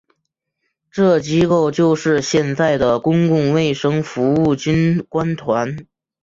这机构就是现在的公共卫生服务军官团。